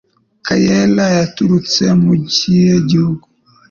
Kaella yaturutse mu kihe gihugu?